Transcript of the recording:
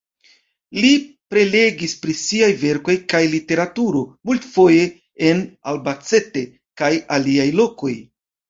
Li prelegis pri siaj verkoj kaj literaturo multfoje en Albacete kaj aliaj lokoj.